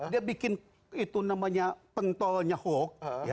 dia bikin itu namanya pentolnya hoax